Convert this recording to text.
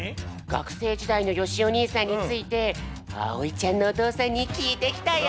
学生時代のよしお兄さんについてあおいちゃんのおとうさんにきいてきたよ！